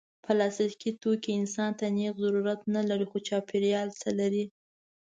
پلاستيکي توکي انسان ته نېغ ضرر نه لري، خو چاپېریال ته لري.